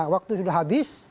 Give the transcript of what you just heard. waktu sudah habis